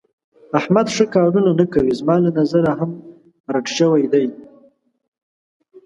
احمد ښه کارونه نه کوي. زما له نظره هم رټ شوی دی.